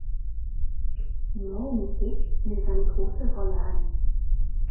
Neue Musik nimmt eine große Rolle ein.